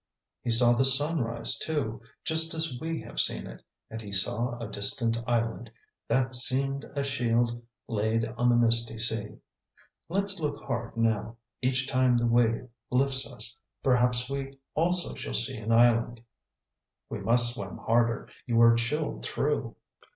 "He saw the sunrise, too, just as we have seen it; and he saw a distant island, 'that seemed a shield laid on the misty sea.' Let's look hard now, each time the wave lifts us. Perhaps we also shall see an island." "We must swim harder; you are chilled through."